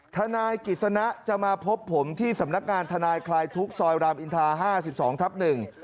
ทนายกิจสนะจะมาพบผมที่สำนักงานทนายคลายทุกข์ซอยรามอินทาห้าสิบสองทับหนึ่ง